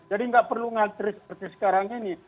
jadi nggak perlu ngantri seperti sekarang ini